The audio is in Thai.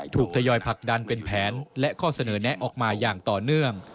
ทยอยผลักดันเป็นแผนและข้อเสนอแนะออกมาอย่างต่อเนื่อง